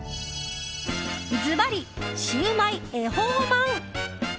ずばり、シウマイ恵方まん。